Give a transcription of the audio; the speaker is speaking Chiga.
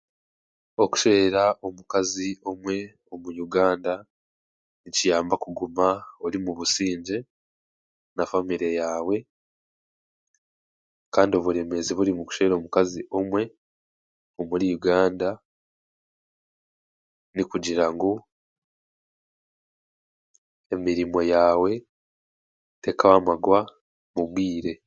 Okushweera omukaazi omwe omu Uganda nikiyamba kuguma ori mu busingye na famire yaawe kandi oburemezi burimu kushweera omukaazi omwe omuri Uganda nikugira ngu emirimo yaawe tekamarwa mubwire.